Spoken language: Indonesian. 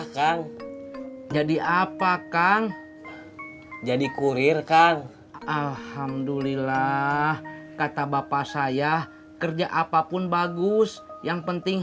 kan jadi apa kang jadi kurir kang alhamdulillah kata bapak saya kerja apapun bagus yang penting